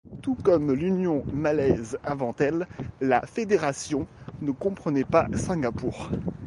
Tout comme l'Union malaise avant elle, la Fédération ne comprenait pas Singapour.